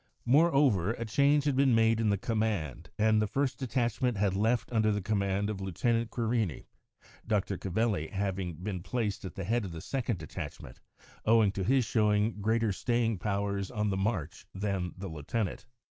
Moreover, a change had been made in the command, and the first detachment had left under the command of Lieutenant Querini, Dr. Cavalli having been placed at the head of the second detachment owing to his showing greater staying powers on the march than the lieutenant.